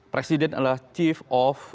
presiden adalah chief of